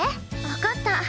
わかった。